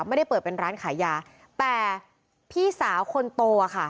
ไม่ได้เปิดเป็นร้านขายยาแต่พี่สาวคนโตค่ะ